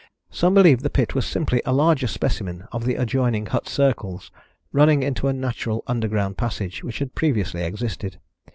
Some believed the pit was simply a larger specimen of the adjoining hut circles, running into a natural underground passage which had previously existed.